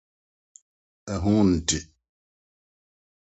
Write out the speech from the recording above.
Ɛho ntew.